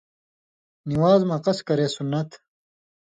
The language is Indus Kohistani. نِوان٘ز مہ قص کرے سُنت